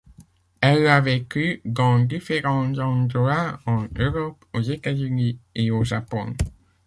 Elle a vécu dans différents endroits en Europe, aux États-Unis et au Japon.